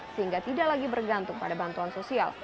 sehingga tidak lagi bergantung pada bantuan sosial